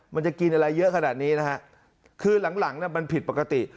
มันจะกินอะไรเยอะขนาดนี้นะฮะคือหลังมันผิดปกติ